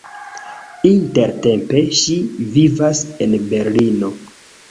Intertempe ŝi vivas en Berlino.